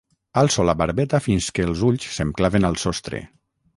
Alço la barbeta fins que els ulls se'm claven al sostre.